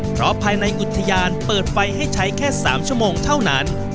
เพราะภายในอุทยานเปิดไฟให้ใช้แค่๓ชั่วโมงเท่านั้น